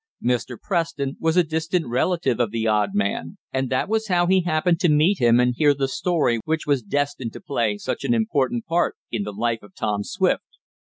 Mr. Preston was a distant relative of the odd man, and that was how he had happened to meet him and hear the story which was destined to play such an important part in the life of Tom Swift.